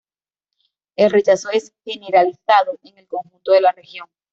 El rechazo es generalizado en el conjunto de la región.